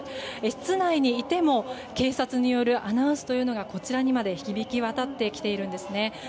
室内にいても警察によるアナウンスというのがこちらにまで響き渡ってきているんですね。